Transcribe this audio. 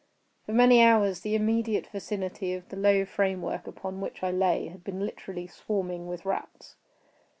For many hours the immediate vicinity of the low framework upon which I lay had been literally swarming with rats.